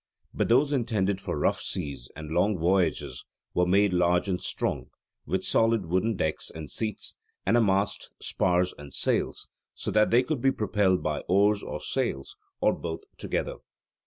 But those intended for rough seas and long voyages were made large and strong, with solid wooden decks and seats, and a mast, spars, and sails, so that they could be propelled by oars or sails, or both together.